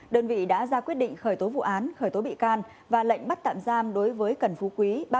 đơn vị đã ra quyết định khởi tố vụ án khởi tố bị can và lệnh bắt tạm giam đối với trần phú quý